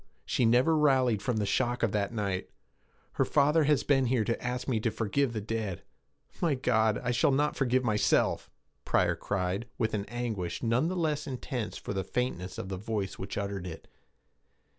She never rallied from the shock of that night. Her father has been here to ask me to forgive the dead. My God! I shall not forgive myself!' Pryor cried, with an anguish none the less intense for the faintness of the voice which uttered it.